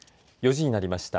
４時になりました。